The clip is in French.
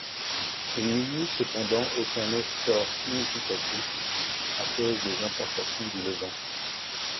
Il n'y eut cependant aucun essor significatif à cause des importations du Levant.